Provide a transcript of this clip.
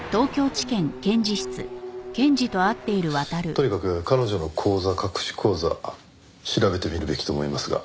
とにかく彼女の口座隠し口座調べてみるべきと思いますが。